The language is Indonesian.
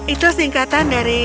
itu singkatan dari